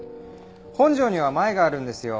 本庄にはマエがあるんですよ。